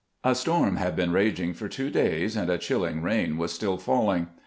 A storm had been raging for two days, and a chUling rain was stUl falling.